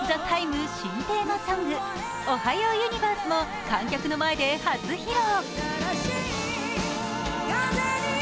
新テーマソング、「おはようユニバース」も観客の前で初披露。